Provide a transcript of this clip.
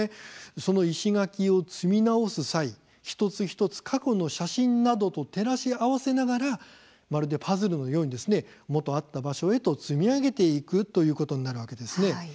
その石垣を積み直す際一つ一つ、過去の写真などと照らし合わせながらまるでパズルのようにですね元あった場所へと積み上げていくということになるわけですね。